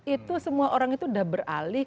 itu semua orang itu udah beralih kepada transportasi